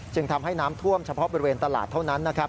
ทำให้น้ำท่วมเฉพาะบริเวณตลาดเท่านั้นนะครับ